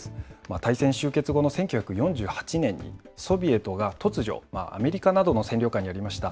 大戦終結後の１９４８年にソビエトが突如、アメリカなどの占領下にありました